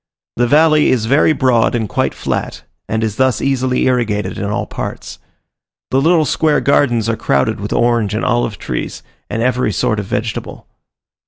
The valley is very broad and quite flat, and is thus easily irrigated in all parts. The little square gardens are crowded with orange and olive trees, and every sort of vegetable.